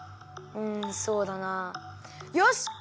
うんそうだなよし